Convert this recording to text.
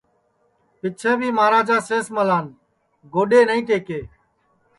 پیچھیں بھی مہاراجا سینس ملان گوڈؔے نائی ٹئکے